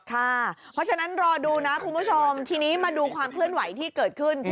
เพราะฉะนั้นรอดูนะคุณผู้ชมทีนี้มาดูความเคลื่อนไหวที่เกิดขึ้น